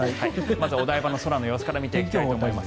まずお台場の空の様子から見ていきましょう。